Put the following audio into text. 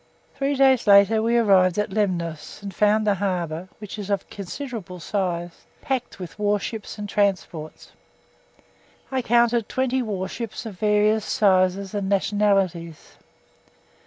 Three days later we arrived at Lemnos, and found the harbour (which is of considerable size) packed with warships and transports. I counted 20 warships of various sizes and nationalities.